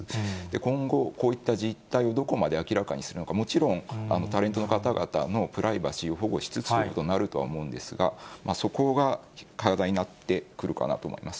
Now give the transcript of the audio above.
今後、こういった実態をどこまで明らかにするのか、もちろん、タレントの方々のプライバシーを保護しつつということにはなると思うんですが、そこが課題になってくるかなと思います。